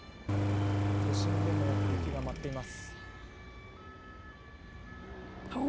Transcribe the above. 都心でも雪が舞っています。